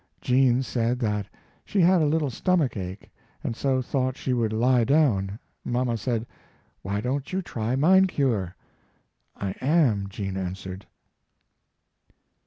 Jean said that she had a little stomack ache, and so thought she would lie down. Mama said, "Why don't you try 'mind cure'?" "I am," Jean answered.